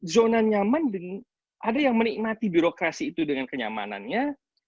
zona nyaman dan ada yang menikmati birokrasi itu dengan kenyamanannya